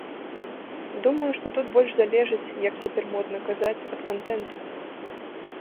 Думаю, што тут больш залежыць, як цяпер модна казаць, ад кантэнту.